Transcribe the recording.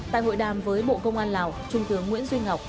tại hội đàm với bộ công an lào trung tướng nguyễn duy ngọc